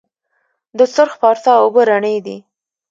د سرخ پارسا اوبه رڼې دي